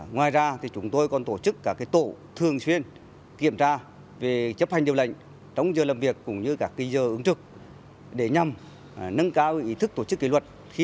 ngoài ra chúng tôi còn tổ chức các tổ thường xuyên kiểm tra về chấp hành điều lệnh trong giờ làm việc cũng như các giờ ứng trực để nhằm nâng cao ý thức tổ chức kỷ luật